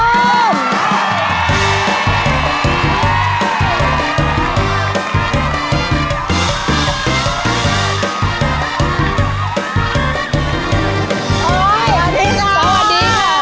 อัศวินอยู่นักงานที่ไป